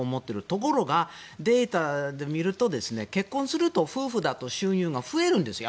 ところが、データで見ると結婚すると夫婦だと収入が増えるんです。